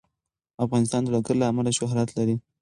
افغانستان د لوگر له امله شهرت لري.